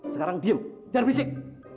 sekarang diem jangan berisik